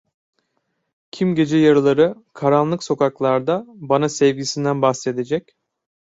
Kim gece yarıları karanlık sokaklarda bana sevgisinden bahsedecek?